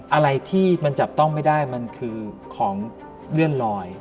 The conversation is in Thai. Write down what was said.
อะไรที่มันจับต้องไม่ได้มันคือของเลื่อนลอย